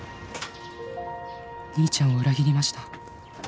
「兄ちゃんを裏切りました」